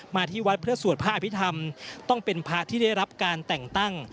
ที่วัดเพื่อสวดพระอภิษฐรรมต้องเป็นพระที่ได้รับการแต่งตั้ง